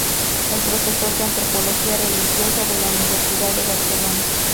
Es profesor de Antropología religiosa de la Universidad de Barcelona.